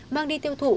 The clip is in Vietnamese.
mang đi tiêu thụ